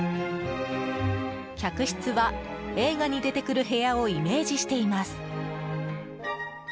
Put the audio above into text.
客室は映画に出てくる部屋をイメージしています。